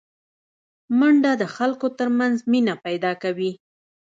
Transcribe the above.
منډه د خلکو ترمنځ مینه پیداکوي